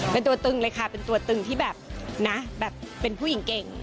เป็นตัวตึงเลยค่ะเป็นตัวตึงที่แบบนะแบบเป็นผู้หญิงเก่ง